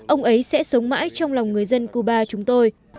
ông ấy sẽ sống mãi trong lòng người dân cuba chúng tôi